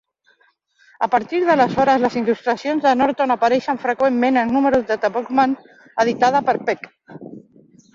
A partir d'aleshores, les il·lustracions de Norton apareixen freqüentment en números de "The Bookman", editada per Peck.